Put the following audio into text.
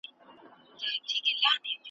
یو ته راپورې مـــه خــانده جانانه خـــفه کیږم